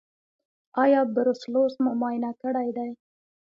ایا بروسلوز مو معاینه کړی دی؟